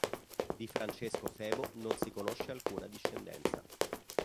Di Francesco Febo non si conosce alcuna discendenza.